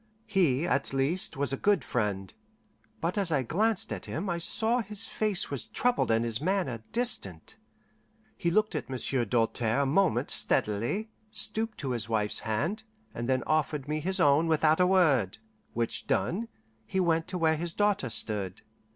He, at least, was a good friend; but as I glanced at him, I saw his face was troubled and his manner distant. He looked at Monsieur Doltaire a moment steadily, stooped to his wife's hand, and then offered me his own without a word; which done, he went to where his daughter stood.